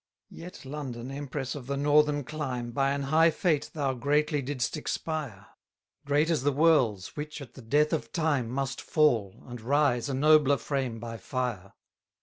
212 Yet London, empress of the northern clime, By an high fate thou greatly didst expire; Great as the world's, which, at the death of time Must fall, and rise a nobler frame by fire!